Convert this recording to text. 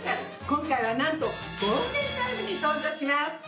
今回は、なんとゴールデンタイムに登場します。